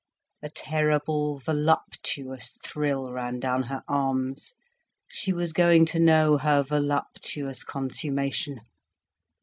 A terrible voluptuous thrill ran down her arms—she was going to know her voluptuous consummation.